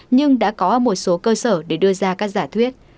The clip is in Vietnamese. nhưng đã có một số cơ sở để đưa ra các giả thuyết